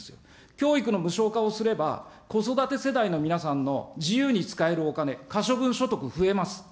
教育の無償化をすれば、子育て世代の皆さんの自由に使えるお金、可処分所得増えます。